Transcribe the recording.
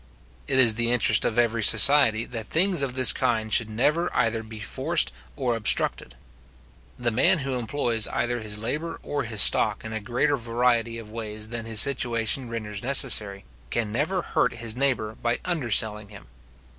It is the interest of every society, that things of this kind should never either he forced or obstructed. The man who employs either his labour or his stock in a greater variety of ways than his situation renders necessary, can never hurt his neighbour by underselling him.